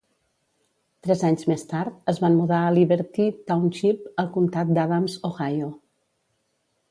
Tres anys més tard, es van mudar a Liberty Township, al Comtat d'Adams, Ohio.